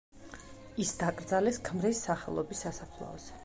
ის დაკრძალეს ქმრის სახელობის სასაფლაოზე.